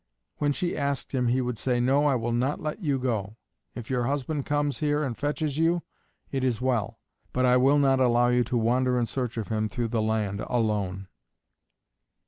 When she asked him he would say: "No, I will not let you go. If your husband comes here and fetches you, it is well; but I will not allow you to wander in search of him through the land alone."